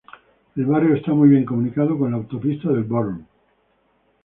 El barrio está muy bien comunicado con la autopista de Brno.